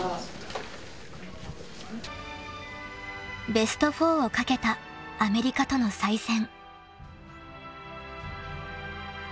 ［ベスト４を懸けたアメリカとの再戦］